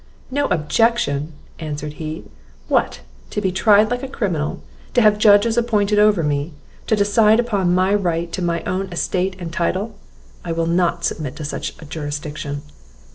"No objection!" answered he; "what, to be tried like a criminal, to have judges appointed over me, to decide upon my right to my own estate and title? I will not submit to such a jurisdiction!"